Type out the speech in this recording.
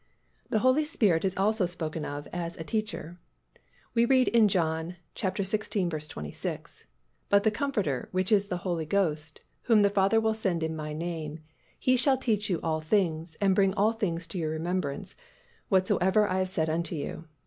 The Holy Spirit is also spoken of as a teacher. We read in John xiv. 26, "But the Comforter, which is the Holy Ghost, whom the Father will send in My name, He shall teach you all things, and bring all things to your remembrance, whatsoever I have said unto you."